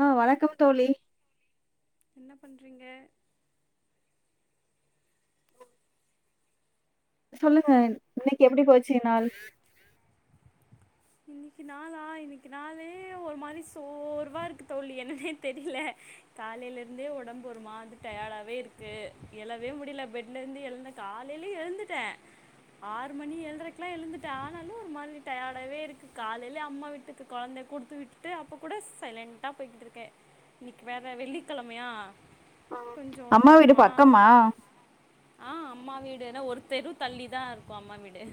அ வணக்கம் தோழி என்ன பண்ணறீங்க சொல்லுங்க இன்னக்கு எப்டி போச்சு நாள் இன்னக்கி நாளா இன்னக்கி நாளே ஒரு மாரி சோர்வா இருக்கு தோழி என்னனே தெரியில காலையிலருந்தே ஒடம்பு ஒரு மாரி டயடாவே இருக்கு எழவே முடியல பெட்ல இருந்து எழுந்த காலைலே எழுந்துட்டே ஆறு மணி ஏழறைகுல்லா எழுந்துட்ட ஆனாலும் ஒரு மாரி டயாடாவே இருக் கு காலையிலயே அம்மா வீட்டுக்கு கொழந்தை குடுத்து விட்டுட்டு அப்ப கூட சைலண்டா போயிட்டு இருக்கே இன்னக்கி வேற வெள்ளிக்கெழமையா ம். கொஞ்சோ அம்மா ஒரு வீடு மா பக்கமா ஆ அம்மா வீடு என்ன ஒருத்தெரு தள்ளிதா இருக்கு அம்மா வீடு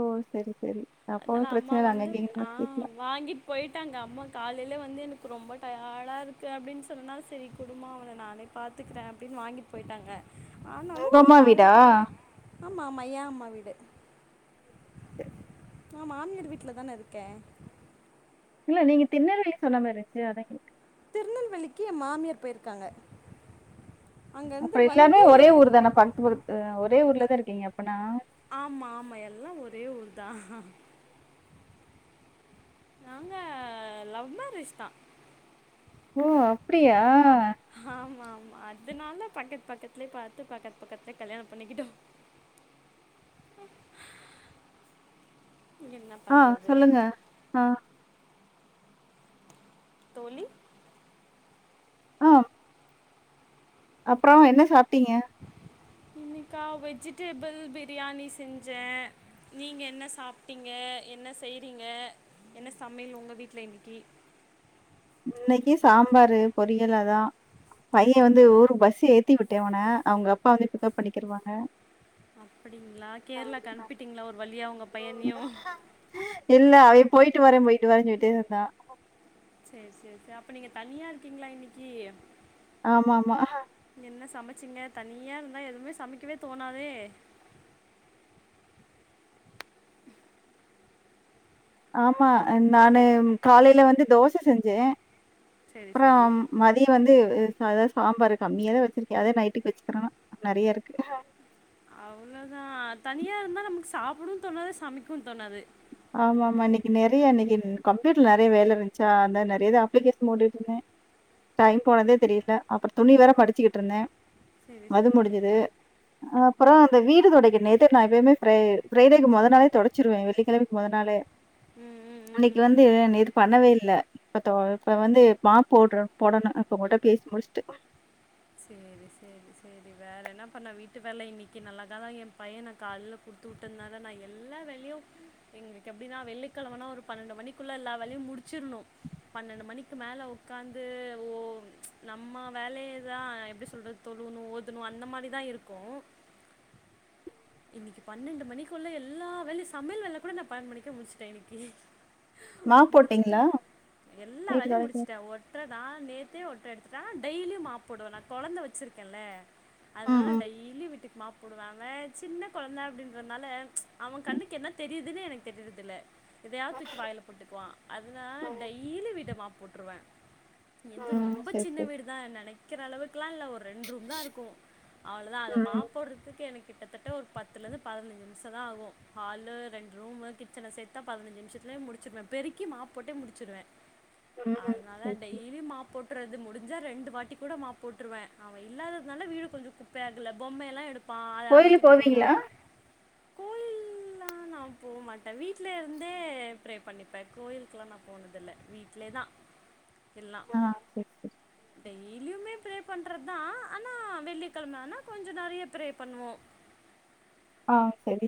ஓ செரி செரி அப்ப ஒன்னு பிரச்சன இல்ல அங்ககெங்னா வச்சிக்கலா வாங்கிட் போய்ட்டாங்க அம்மா காலயில வந்து எனக்கு ரொம்ப டயர்டாக இருக்கு அப்டின்னு சொன்னனா செரி குடும்மா அவன நானே பாத்துக்குறே அப்படின்னு வாங்கிட் போய்ட்டாங்க ஆனாலு உங்க ஒரு அம்மா மாதிரி வீடா டயடா ஆமா ஆமா ஏ அம்மா வீடு [inaudible] நா மாமியார் வீட்ல தான இருக்க இல்ல நீங்க திருணல்வேலி சொன்ன மாரி இருந்ச்சு அதா கேட்ட திருநெல்வேலிக்கு ஏ மாமியார் போயிருக்காங்க அங்கேருந்து அப்றோ எல்லாருமே வந்து ஒரே ஊர் தானே பக்கத்து பக்க ஒரே ஊர்ல தா இருக்கீங்க அப்பனா ஆமா ஆமா எல்லா ஒரே ஊர் தா நாங்க லவ் மேரேஜ் தா ஓ அப்டியா ஆமா ஆமா அதுனால பக்கத் பக்கத்துலயே பாத்து பக்கத்து பக்கத்துலயே கல்யாணோ பண்ணிக்கிட்டோ என்ன ஆ பண்ணுறது சொல்லுங்க ஆ தோழி ம் அப்றோ என்ன சாப்டிங்க இன்னிக்கா வெஜிடேபுள் பிரியாணி செஞ்சே நீங்க என்ன சாப்பிட்டீங்க என்ன செய்றீங்க என்ன சமையல் உங்க வீட்ல இன்னக்கி இன்னக்கி சாம்பாரு பொரியல் அதா பையே வந்து ஊர் பஸ்ஸு ஏத்தி விட்டே அவன அவுங்க அப்பா வந்து பிக்கப் பண்ணிக்கிருவாங்க அப்டிங்களா கேரளாக்கு அனுப்பிட்டீங்களா ஒரு வழியா ஒங்க இல்ல அவே போயிட்டு வர போயிட்டு வரேன்னு சொல்லிட்டே இருந்தா சேர் சேரி சேரி அப்ப நீங்க தனியா இருக்கீங்களா இன்னைக்கி ஆமா ஆமா என்ன சமைச்சிங்க தனியா இருந்தா எதுவுமே சமைக்கவே தோணாதே ஆமா நானு காலையில வந்து தோச செஞ்சே சரி சரி அப்றம் மதிய வந்து ஆ அதா சாம்பாரு கம்மியா தா வச்சிருக்கே அதே நைட்டுக் வச்சுக்கறலா நெறைய இருக்கு அவ்வளோதா தனியா இருந்தா நமக்கு சாப்புடவும் தோணாது சமைக்கவும் தோணாது ஆமாமா இன்னைக்கு நெறைய இன்னைக்கு கம்ப்யூட்டர்ல நெறைய வேல இருந்துச்சா அந்தா நெறைய இது அப்ளிகேஷன் போட்டுட்டு இருந்தே டைம் போனதே தெரியல அப்புறம் துணி வேற மடிச்சுக்கிட்டு இருந்தே சரி அது சரி சரி முடிஞ்சுது ஆ அப்புற இந்த வீடு தொடைக்க நேத்தே நா எப்பையுமே ப்ரை ஃப்ரைடேக் மொத நாளே தொடச்சிருவே வெள்ளிக்கெழம மொத நாளே ம் ம் இன்னைக்கு ம் ம் வந்து நேத்து பண்ணவே இல்ல இப்ப தொ இப்ப வந்து மாப் போடுற போடணு இப்ப உங்கக்கிட்ட பேசி முடிஸ்ட்டு சேரி சேரி சேரி வேற என்ன பண்ண வீட்டு வேல இன்னைக்கு நல்லகாதா ஏ பையன கால்ல குடுத்து விட்டன்தான நா எல்லா வேலையு எங்களுக்கு எப்டின்னா வெள்ளிக்கெழமனா ஒரு பன்னெண்டு மணிக்குள்ள எல்லா வேலையு முடிச்சிருணு பன்னெண்டு மணிக்கு மேல உக்காந்து ஓ நம்ம வேலைய அதா எப்டி சொல்றது தொழுவுணு ஓதணு அந்த மாதிரிதா இருக்கும் இன்னைக்கு பன்னெண்டு மணிக்குள்ள எல்லா வேலையு சமையல் வேல கூட நா பன்னெண்டு மணிக்கே முடிச்சுட்ட இன்னைக்கு மாப் முடிச்சுட்டு போட்டீங்களா? எல்லா வீடு வேலையு தொடைக்க முடிச்சட்ட ஒ ஒட்ற தா நேத்தே ஒட்ற எடுத்துட்டாங்க டெய்லியு மாப் போடுவ நா கொழந்த வச்சிருக்கேன்ல ம், அதனால ம். டெய்லி வீட்டுக்கு மாப் போடுவாங்க சின்ன கொழந்த அப்டின்றதுனால அவன் கண்ணுக்கு என்ன தெரியுதுன்னு எனக்கு தெரியுறதுல்ல எதையாவது தூக்கி வாயில போட்டுக்குவா அதனால ம். டெய்லி வீட்ட மாப் போட்ருவ இது ம். ரொம்ப சரி, சின்ன சரி. வீடு தா நெனைக்கிற அளவுக்குல்லா இல்ல ஒரு ரெண்டு ரூம் தா இருக்கு அவ்வளோதா அத ம், ம். மாப் போடுறதுக்கு எனக் கிட்டத் தட்ட ஒரு பத்துலேருந்து பதினஞ்சு நிமிஷ தா ஆகு ஹாலு ரெண்டு ரூம்மு கிச்சன சேத் தா பதினைஞ்சு நிமிஷத்துலயே முடிச்சடுவ பெருக்கி மாப் போட்டே முடிச்சுடுவ ம். ம். அது னால சரி, சரி. டெய்லி மாப் போட்டுறது முடிஞ்சா ரெண்டு வாட்டி கூட மாப் போட்டுருவே அவ இல்லாததுனால வீடு கொஞ்ச குப் பை ஆகல பொம்மைைய எல்லா எடுப்பா அத அங்க கோயிலுக்கு தூக்கி போடுவா போவீங்களா? நா போ மாட்டே வீட்ல இருந்தே பிரே பண்ணிப்ப கோயிலுக்கெல்லா நா போனதுல்ல வீட்லே தா எல்லா ஆ சரி, சரி. டெய்லியுமே பிரே பண்றது தா ஆனா வெள்ளிக்கெழம ஆனா கொஞ்ச நெறைய பிரே பண்ணுவோ ஆ சரி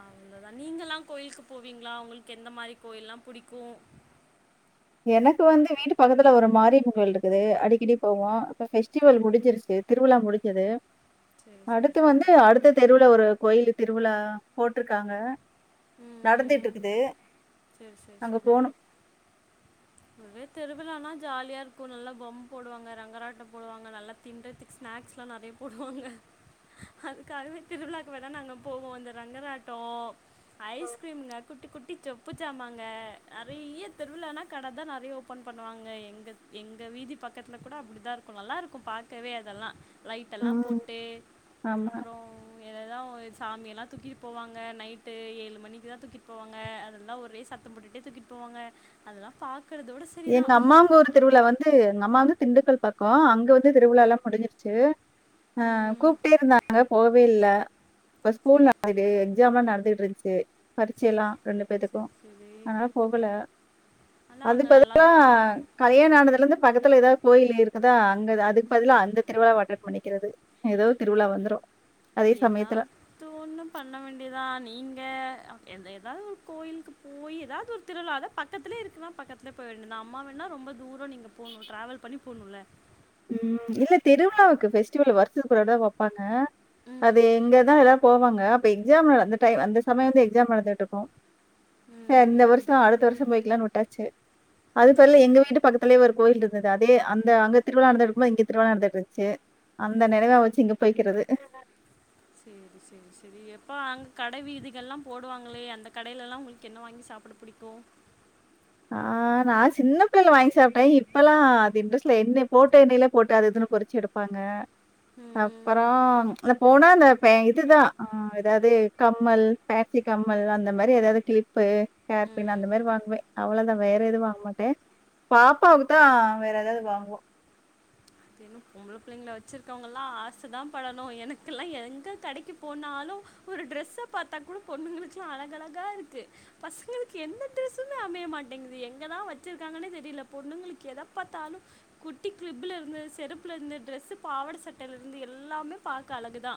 அவ்ளோதா நீங்க எல்லா கோயிலுக்கு போவீங்களா உங்களுக்கு எந்த மாரி கோயில்லா புடிக்கும் எனக்கு வந்து வீட்டு பக்கத்துல ஒரு மாரியம்மன் கோயில் இருக்குது அடிக்கடி போவோ இப்ப ஃபெஸ்டிவல் முடிஞ்சிருச்சு திருவிழா முடிஞ்சது சரி சரி அடுத்து சரி வந்து அடுத்த தெருவுல ஒரு கோயிலு திருவிழா போட்ருக்காங்க நடந்துட்டு இருக்குது சேரி சேரி அங்க சேரி போணும். இதுவே திருவிழானா ஜாலியா இருக்கு நல்ல பொம்ம போடுவாங்க ரங்கராட்டம் போடுவாங்க நல்ல தின்றதுக்கு ஸ்நாக்ஸ்லா நெறைய போடுவாங்க அதுக்காகவே திருவிழாக்கு வேணா நாங்க போவோ இந்த ரங்கராட்டோ ஐஸ்கிரீம்ங்க குட்டி குட்டி சொப்பு சாமங்க நெறைய திருவிழானா கட தா நெறைய ஓப்பன் பண்ணுவாங்க எங்க எங்க வீதி பக்கத்துல கூட அப்டிதா இருக்கும் நல்லாருக்கும் பாக் தேவையா இதெல்லாம் லைட்டெல்லாம் ம். போட்டு ஆமா. அப்பறோ எததான் சாமியெல்லாம் தூக்கிட்டு போவாங்க நைட்டு ஏழு மணிக்கு தான் தூக்கிட்டு போவாங்க அதில் தான் ஒரே சத் தம் போட்டுட்டே தூக்கிட்டு போவாங்க அதெல்லாம் பார்கறதோட எங்க அம்மாங்க ஊர் திருவிழா வந் து எங்க அம்மா வந்து திண்டுக்கல் பக்கோ அங்க வந்து திருவிழா எல்லாம் முடிஞ்சிருச்சு அ ம், கூப்ட்டே இருந்தாங்க போவே இல்ல இப்ப ஸ்கூல் சரி நட இங்கே எக்ஸாம்ல்லாம் நடந்துட்டு இருந்துச்சு சரி பரிச்செல்லாம் ரெண்டு பேத்துக்கும் சரி சரி அதனால போகல ஆனால் அங்கே அதுப்பதா நல்லா இருக்குமா கல்யாண ஆனதுல இருந்து பக்கத்துல ஏதாவது கோயில் இருக்குதா அங்க அதுக்கு பதிலா அந்த திருவிழா வ அட்டன் பண்ணிக்கிறது ஏதோ திருவிழா வந்துரும் ஏதாது ஒன்னு பண்ண வேண்டியதா நீங்க ஏதாவது ஒரு கோயிலுக்கு போய் ஏதாவது ஒரு திருவிழா பக் பக்கத்துல இருக்குன்னா பக்கத்துல போய் அம்மா வேணா ரொம்ப தூரம் நீங்க போகும் ட்ராவல் பண்ணி போணுல ம் இல்ல திருவிழாக்கு பெஸ்டிவல் வருஷத்துக்கு ஒரு தடவ தான் வப்பாங்க அது ம் எங்கதான் எல்லாரும் போவாங்க அப்ப எக்ஸாம் அந்த டைம் அந்த சமயம் வந்து எக்ஸாம் நடந்துட்டு இருக்கும் சரி இந்த ம் வருஷம் அடுத்த வருஷம் போய்க்கலாம்னு விட்டாச்சு அது சரி பல எங்க வீட்டு பக்கத் துலேயே ஒரு கோயில் இருந்தது அதே அந்த அங்க திருவிழா நடந்துட்டு போது இங்க திருவிழா நடந்துட்டுருச்சு அந்த நெனவா வச்சு இங்க போய்கிறது சேரி சேரி சேரி எப்போ அங் கட வீதிகள்ளா போடுவாங்களே அந்த கடையிலலா உங்களுக்கு என்ன வாங்கி சாப்புட புடிக்கும் ஆ நா சின்ன பிள்ளைல வாங்கி சாப்பிட்டேன் இப்பெல்லாம் அது இன்ட்ரெஸ்ட் இல்ல என்ன போட்ட எண்ணையில போட்டு அது இதுன்னு பொரிச்சு எடு ப்பாங்க அப்பறோ ம் அ போனா அந்த ட்ரை இதுதா ஆ ஏதாவது கம்மல் பேன்சி கம்மல் அந்த மாரி ஏதாவது கிளிப்பு ஹார்பின் அந்த ம் மாரி வாங்குவே அவ்ளோதா வேற எதுவும் வாங்க மாட்டே பாப்பாவுக்கு தா வேற ஏதாவது வாங்குவோ அது இன்னும் பொம்பள பிள்ளைங்கள வச்சிருக்கவங்க எல்லா ஆச தா படணும் எனக்கெல்லா எங்க கடைக்கு போனாலு ஒரு ட்ரெஸ்ஸை பாத்தா கூட பொண்ணுங்களுக்கு அழகு அழகா இருக்கு பசங்களுக்கு எந்த டிரரெஸ்ஸுமே அமைய மாட்டேங்குது எங்கதா வச்சிருக்காங்கன்னே தெரியல பொண்ணுங்களுக்கு எத பாத்தாலும் குட்டி கிளிப்புல இருந்து செருப்புலருந்து ட்ரெஸ் பாவட சட்டையில இருந்து எல்லாமே பாக்க அழகுதா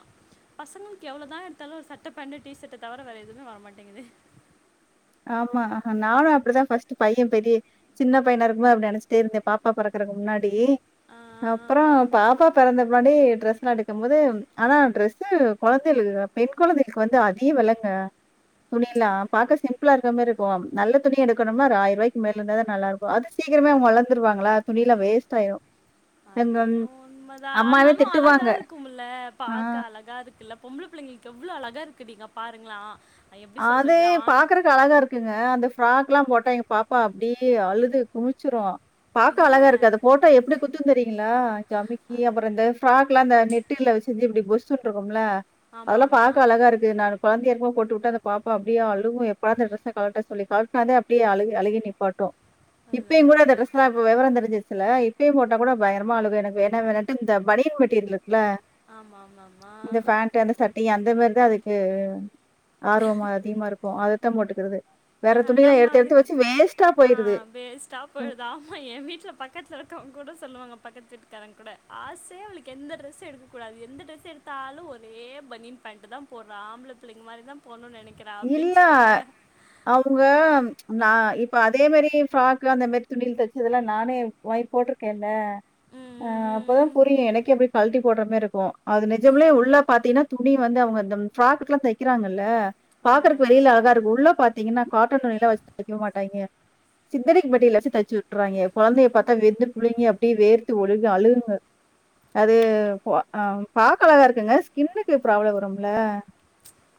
பசங்களுக்கு எவ்ளோவுதா எடுத்தாலும் ஒரு சட்ட பேன்ட் டிஷர்ட்டை தவிர வேற எதுவுமே வரமாட்டேங்குது ஆமா ஆ நானும் அப்டிதா ஃபர்ஸ்ட் பையன் பெரிய சின்ன பையன இருக்குமோ அப்டி நெனைச்சுட்டே இருந்தே பாப்பா பொறக்கறதுக்கு முன்னாடி அப்பறோ ஆஹ் பாப்பா பெறந்த முன்னாடி ட்ரெஸ் எடுக்கும் போது ஆனா ட்ரெஸ்சு குழந்தைகளுக்கு பெண் குழந்தைகளுக்கு வந்து அதிக வெலங்க துணிலா பாக்க சிம் சிம்பளா இருக்க மாரி இருக்கு நல்ல துணி எடுக்கணுமா ஒரு ஆயிரம்ரூபாய்க்கு மேல இருந்தா தா நல்லாருக்கும் அது சீக்கிரங்களே வளந்துருவாங்கள துணிலா வேஸ்ட் ஆய்ரும் அது என்னமோ உண்ம தா அம்மாவே ஆனாலும் அழகா திட்டுவாங்க. இருக்கும்ல ஆ. பாக்க அழகா இருக்குல்ல பொம்பள பிள்ளைங்களுக்கு எவ்ளோ அழகா இருக்கு டீ‌ங்க இங்க பாருங்களா நா எப்டி அது சொல்றது ஆண் பாக்குறக்கு அழகா இருக்குங்க அந்த ஃப்ராக் எல்லா போட்டா எங்க பாப்பா அப்டியே அழுது குமிச்சிருவா பாக்க அழக ஏன் இருக்கு அந்த போ எப்டி குத்துன்னு தெரியீங்களா ஜம்மிக்கி அப்பறோ இந்த ஃப்ராக் எல்லா அந்த நெட்டுல வச்சு இப்டி பொஸ்சுனு இருக்கும்ல ஆமா அதெல்லா ஆமா பாக்க அழகா இருக்கு நா குழந்தையா இருக்குமா போட்டு விட்டு அந்த பாப்பா அப்டியே அழுகும் எப்பாது ட்ரெஸ கலட்ட சொல்லி கலட்டனாத அப்டியே அழுக அழுகி நிப்பாட்டும் இல்ல இப்பயு இல்ல கூட அந்த ட்ரெஸ்தா இப்ப விவர தெரிஞ்சுருச்சுல இப்பயே போட்டா கூட பயங்கரமா அழுகு எனக்கு வேனா வேணாட்டு இந்த பனியன் மெட்டீரியல் இருக்குல்ல ஆமா ஆமா ஆமா [unintelligible] சட்டயு அந்த மாரி தா இருக்கு ஆர்வமா அதிகமா இருக்கு அதத் தா போட்டுக்கிறது வேற ஆஹ் துணிய எல்லா நம்ம எடுத்து எடுத்து வச்சு வேஸ்ட்டா போய்டுது டாப்போடுது ஆமா எ வீட்ல பக்கத்துல இருக்கவங்க கூட சொல்லுவாங்க பக்கத்துக் வீட்டுகாரங்க கூட ஆசையே அவளுக் எந்த டிரெஸ்சு எடுக்ககூடாது எந்த ட்ரெஸ் எடுத்தாலு ஒரே பனியன் பேண்ட்தா போடுற ஆம்பள பிள்ளைங்க மாரி தா போணுனு நெனக் இல்ல அவுங்க நா இப்ப அதே மாரி ஃப்ராக்கு அந்த மாரி துணில தச்சதுல்லா நானே ஓய் போட்டிருக்கேல்ல ம் ஆ ம், அப்பதா ம் ம். புரியு எனக்கே எப்டியே கலட்டி போடுற மாரி இருக்கு அது நிஜம்லே உள்ள பாத்தீங்கன்னா துணி வந்து அவுங்க இந்த ப்ராக்குகெல்லா தக்கிறாங்கல்ல ஆமா பாக்குறக்கு ஆமா வெளியில அழகா இருக்கு உள்ள பாத்தீங்கன்னா காட்டன் துணியில வச்சு தக்க மாட்டாங்கே சிந்தடிக் மெட்ரியல்ல வச்சு தச்சு வுட்டுறாங்க கொழந்தய பாத்தா வெந்து புள்ளைங்க அப்டியே வேர்த்து ஒழுகி அழுகுங்க அது பா பாக்க அழகா இருக்குங்க ஸ்கின்க்கு ப்ராப்ளம் வரும்ல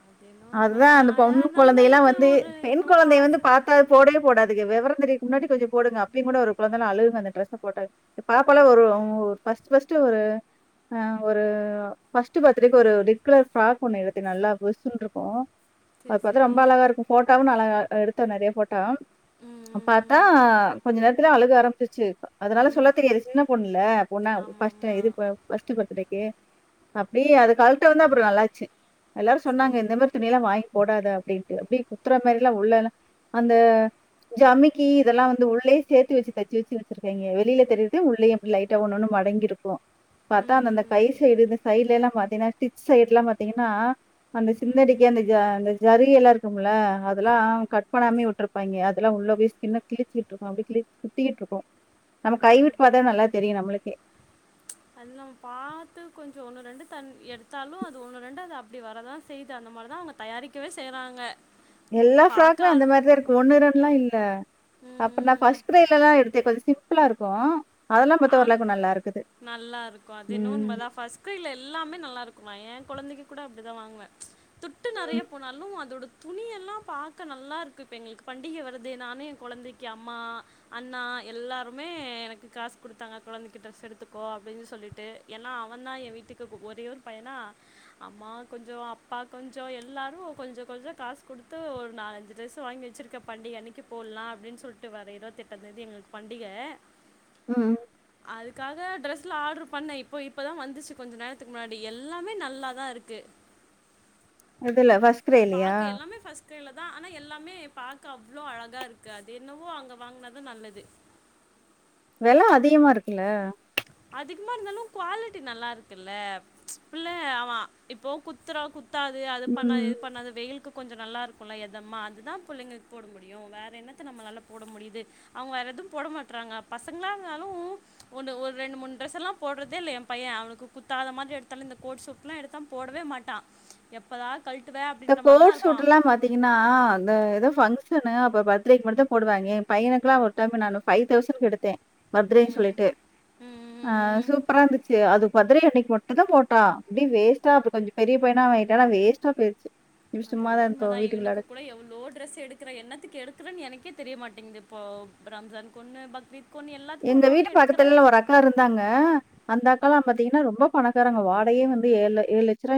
அதென்னோ அதா அந்த பொண்ணு கொழந்தல்லா வந்து பெண் என்னவோ கொழந்தைய வந்து ஆசை பாத் அது போடவே போடதுக வெவர தெரியதுக்கு முன்னாடி கொஞ்ச போடுங்க அப்பியு கூட ஒரு கொழந்தல்லா அழுகுங்க அந்த டிரஸ்ச போட்டாக் எ பாப்பாலா ஒரு ம் ஃபஸ்ட்டு ஃபஸ்ட்டு ஆ ஒரு ஃபஸ்ட்டு பர்த்டேக்கு ஒரு டிப் கலர் ஃப்ராக் ஒண்ணு எடுத்தே நல்லா புஸ்சுன்ருக்கு சரி அது பாத்தா சரி ரொம்ப அழகா இருக்கு ஃபோட்டோவு நா அழகா எடுத்தோ நெறைய ஃபோட்ட ம் பாத்தா ம், ம் கொஞ்ச நேரத்துல அழுக ஆரம்பிச்சுருச்சு அதுனால ம் சொல்ல தெரியாது சின்ன பொண்ல பொண்ண ஆமா ஃபஸ்ட் ஆமா இது ப ஃபஸ்ட்டு பர்த்டேக்கி அப்டியே அது கல்டோன அப்றோ நல்லாச்சு எல்லாரு சொன்னாங்க சரி இந்த மாரி துணி எல்லா வாங்கி போடாத அப்டின்டு அப்டியே குத்துற மார்லா உள்ளன அந்த ஜமிக்கி இதெல்லா வந்து உள்ளே சேத்து வச்சு தைச்சி வச்சு வச்சிருக்காய்ங்க வெளில தெரிறதே உள்ளேயும் லைட்டா ஒன்னு ஒன்னு மடங்கிருக்கு ம் பாத்தா அந்த அந்த கை ம், சைய்டு இந்த சைய்டுல எல்லா பாத்தீனா ஸ்டிச் சைய்டுல்லா பாத்தீங்கன்னா அந்த சின் ம் னடிக்க அந்த ஜ அந்த ஜரிக எல்லா இருக்குல அதெல்லா கட் பண்ணாமே உட்ருப்பாங்க அதெல்லா உள்ளே போய் ஸ்கின் கிழிச்சிட்டுருக்கு அப்டியே கிழி குத்திக்கிட்டுருக்கு நம்ம கைவிட்டு பாத்த நல்லா தெரியு நம்மளுக்கே அது நம்ம பாத்து கொஞ்சோ ஒண்ணு ரெண்டு தன் எடுத்தாலு அது ஒண்ணு ரெண்டு அது அப்டி வரதா செய்து அந்த மார்தா அவங் தயாரிக்கவே செய்றாங்க எல்லா ஃப்ராக்மே அந்த மாரிதா இருக்கு ஒன்னு ரெண்லா இல்ல ம் அப்ப நா ம். ஃபஸ்ட் கிரைய்ல தா எடுத்தே கொஞ்ச சிம்பிளாருக்கு ஆன் நல்லாருக்கு அது என்னோவோ இந்த ம். மார்லா பஸ் [unintelligible] எல்லாமே நல்லா இருக்குமா ஏ கொழந்தைக்கு கூட அப்டித்தா வாங்குவே துட்டு நெறைய ம், போனாலு அதோடு துணி எல்லா பாக்க நல்லாருக்கு பென்னி பண்டிக வருது நானு எ கொழந்தைக்கி அம்மா அண்ணா எல்லாருமே எனக்கு காஸ் குடுத்தாங்க கொழந்தைக்கி ட்ரெஸ் எடுத்துக்கோ அப்டின்னு சொல்லிட்டு ஏனா அவந் தா ஏ வீட்டுக்கு ஒரே ஒரு பையனா அம்மா கொஞ்சோ அப்பா கொஞ்சோ எல்லாரு கொஞ்ச கொஞ்ச காசு குடுத்து ஒரு நால் அஞ்சு டிரெஸ்சு வாங்கி வச்சுரு க பண்டிக அன்னைக்கு போல்லா அப்டின்னு சொல்லிட்டு வர இருவத் தெட்டாந்தேதி எஙளுக்கு பண்டிக ம் அதுக்காக ட்ரெஸ்ல ஆடுரு பண்ணே இப்போ இப்ப தா வந்துச்சு கொஞ்ச நேரத்துக்கு முன்னாடி எல்லாமே நல்லா தா இருக்கு இதுல ஃபர்ஸ்ட் அது கிரேலயா? பாக்க எல்லாமே ஃபஸ்ட் கிரைய்ல தா ஆனா எல்லாமே பாக்க அவ்ளோ அழகா இருக்கு அது என்னவோ அங்க வாங்னா தா நல்லது வெல அதிகமாருக்குல்ல அதிககமா இருந்தாலு குவாலிட்டி நல்லா இருக்குல்ல புள்ள அவ இப்போ குத்துரா குத் தாது அது பண்ணாது ம். இது பண்ணாது வெயிலுக் கொஞ்ச நல்லாருக்குல்ல எதம்மா அதுதா புள்ளைங்களுக்கு போட முடியு வேற என்னத்த நம்மளால போட முடியிது அவுங்க வேற எது போட மாட்றாங்க பசங்களா இருந்தாலு ஒன்னு ஒரு ரெண்டு மூன் டிரெஸ் எல்லா போட்றதே இல்ல எம் பையே அவனுக்கு குத்தாத மாத்ரி எடுத்தாலு இந்த கோட் சூட்ல்லா எடுத்தா போடவே மாட்டா எப்பதா கழுட்டுவே அப்டின்ற மாரிதா இருப்பா திங்கனா த எதோ ஃபங்க்ஷனு அப்ப பர்த்டேக்கு மட்டு தா போடுவாய்ங்க எ பையனுக்குலா ஒரு டைமு நானு ஃபை தௌசன்க்கு எடுத்தே பர்த்டே ம் சொல்லிட்டு அ ம் சூப்ரா இருந்துச்சு அது பர்த்டே அன்னைக்கு மட்டு தா போட்டா அப்டி வேஸ்ட்டா இப்ப கொஞ்ச பெரிய பையனா ஆய்டானா வேஸ்ட்டா போயிருச்சு அது சும்மா தான் என்னவோ உண்ம தா இருந்தோம் இவனுக்கு வீட்டுக்குள்ளாட. கூட எவ்ளோ ட்ரெஸ் எடுக்கிறே என்னத்துக்கு எடுக்கிறேன் எனக்கே தெரியமாட்டிங்கிது இப்போ ரம்ஜான்க்கு ஒன்னு பக்ரீத் கொன்னு எல்லாத்துக்கு ஒன்னு ஒன்னு எடுக்குறே மேல இருந்தாங்க அந்த அக்கால்லா பாத்தீங்கன்னா ரொம்ப பணக்காரங்க வாடகையே வந்து ஏழு ஏழு